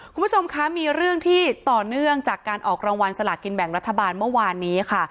คุณผู้ชมคะมีเรื่องที่ต่อเนื่องจากการออกรางวัลสลากินแบ่งรัฐบาลเมื่อวานนี้ค่ะ